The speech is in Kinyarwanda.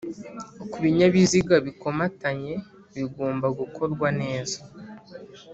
ku binyabiziga bikomatanye bigomba gukorwa neza